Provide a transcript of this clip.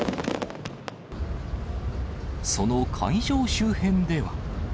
その会場周辺では。